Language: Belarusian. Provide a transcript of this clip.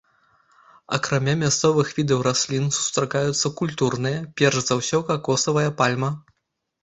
Акрамя мясцовых відаў раслін сустракаюцца культурныя, перш за ўсё какосавая пальма.